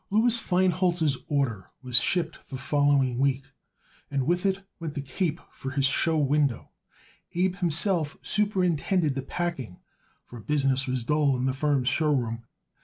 Louis Feinholz's order was shipped the following week, and with it went the cape for his show window. Abe himself superintended the packing, for business was dull in the firm's show room.